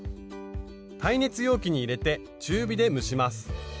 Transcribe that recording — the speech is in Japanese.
耐熱容器に入れて中火で蒸します。